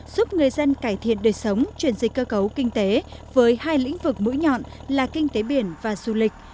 giúp người dân cải thiện đời sống chuyển dịch cơ cấu kinh tế với hai lĩnh vực mũi nhọn là kinh tế biển và du lịch